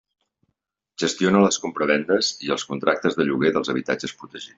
Gestiona les compravendes i els contractes de lloguer dels habitatges protegits.